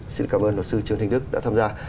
xin cảm ơn luật sư trương thanh đức đã tham gia